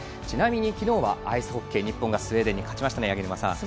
ちなみに昨日はアイスホッケー日本がスウェーデンに勝ちましたね、八木沼さん。